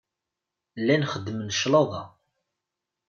Llan xeddmen cclaḍa.